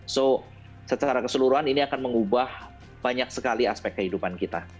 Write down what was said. so secara keseluruhan ini akan mengubah banyak sekali aspek kehidupan kita